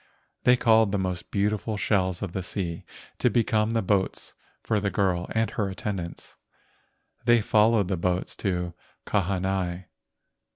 They called the most beautiful shells of the sea to become the boats for the girl and her attendants. They followed the boats of Kahanai.